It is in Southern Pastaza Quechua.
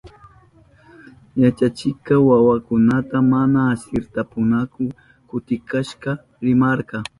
Yachachikka wawakunata mana asirtashpankuna kutikashka rimarka.